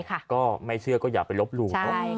ก็ไม่เชื่อก็อย่าไปลบหลู่เนอะ